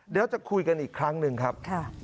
เดี๋ยวจะคุยกันอีกครั้งหนึ่งครับ